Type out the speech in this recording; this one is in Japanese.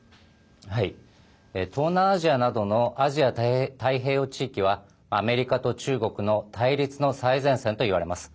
東南アジアなどのアジア太平洋地域はアメリカと中国の対立の最前線といわれます。